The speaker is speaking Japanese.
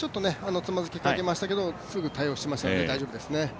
つまずきかけましたけどすぐ対応したので大丈夫ですね。